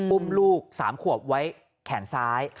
อุ้มลูก๓ขวบไว้แขนซ้าย